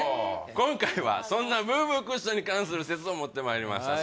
今回はそんなブーブークッションに関する説を持ってまいりました